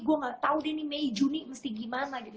gue gak tau deh ini mei juni mesti gimana gitu